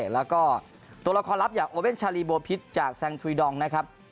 แล้วก็ตัวละครลับอย่างโอเว่นชาลีโบพิษจากแซงทุยดองนะครับ